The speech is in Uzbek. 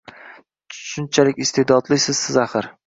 Shunchalik iste’dodlisiz siz axir.